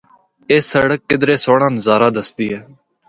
اے سڑک کدرے سہنڑا نظارہ دسدی ہے۔